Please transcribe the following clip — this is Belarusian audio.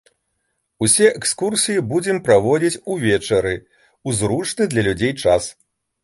Усе экскурсіі будзем праводзіць увечары, у зручны для людзей час.